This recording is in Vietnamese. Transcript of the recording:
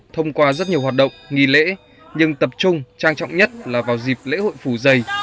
thông qua rất nhiều hoạt động nghỉ lễ nhưng tập trung trang trọng nhất là vào dịp lễ hội phủ dây